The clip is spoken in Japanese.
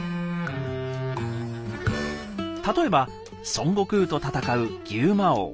例えば孫悟空と戦う「牛魔王」。